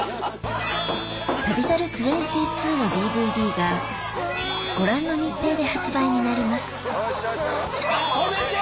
『旅猿２２』のＤＶＤがご覧の日程で発売になります止めて！